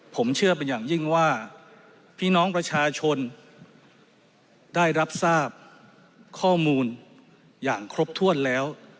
ผมเชื่อเป็นอย่างยิ่งว่าพี่น้องประชาชนได้รับทราบข้อมูลอย่างครบถ้วนแล้ว